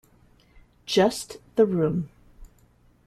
Just the room.